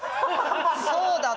そうだ。